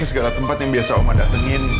sampai jumpa lagi